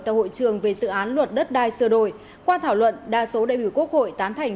tại hội trường về dự án luật đất đai sửa đổi qua thảo luận đa số đại biểu quốc hội tán thành